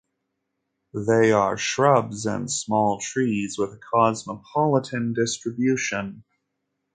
They are shrubs and small trees, with a cosmopolitan distribution.